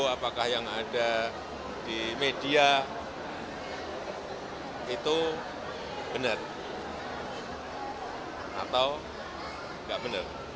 apakah yang ada di media itu benar atau tidak benar